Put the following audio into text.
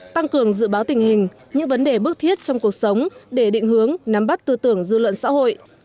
tăng cường dự báo tình hình những vấn đề bức thiết trong cuộc sống để định hướng nắm bắt tư tưởng dư luận xã hội